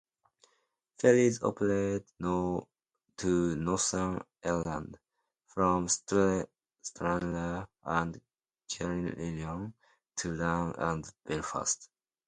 Ferries operate to Northern Ireland from Stranraer and Cairnryan to Larne and Belfast.